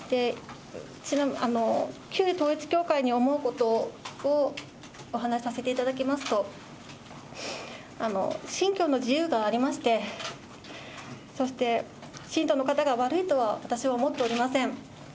旧統一教会に思うことをお話しさせていただきますと、信教の自由がありまして、そして信徒の方が悪いとは、私は思っておりません。